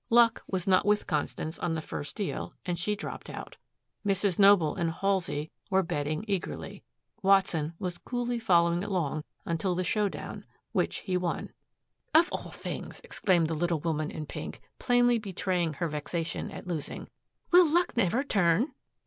Luck was not with Constance on the first deal and she dropped out. Mrs. Noble and Halsey were betting eagerly. Watson was coolly following along until the show down which he won. "Of all things," exclaimed the little woman in pink, plainly betraying her vexation at losing. "Will luck never turn?"